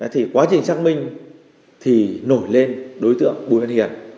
thì quá trình xác minh thì nổi lên đối tượng bùi văn hiền